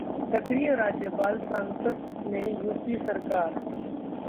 सक्रिय राज्यपाल, सांसत में यूपी सरकार